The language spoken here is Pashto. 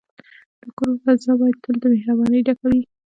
د کور فضا باید تل د مهربانۍ ډکه وي.